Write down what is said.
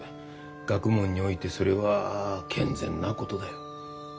学問においてそれは健全なことだよ。